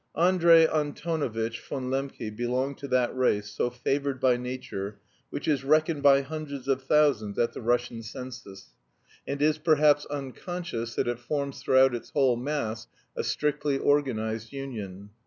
Andrey Antonovitch von Lembke belonged to that race, so favoured by nature, which is reckoned by hundreds of thousands at the Russian census, and is perhaps unconscious that it forms throughout its whole mass a strictly organised union.